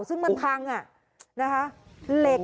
ซึ่งมันพังนะครับ